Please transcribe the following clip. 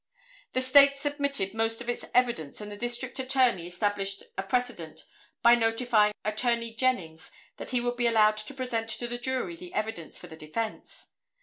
The State submitted most of its evidence and the District Attorney established a precedent by notifying Attorney Jennings that he would be allowed to present to the jury the evidence for the defense.